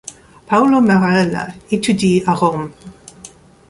Paolo Marella étudie à Rome.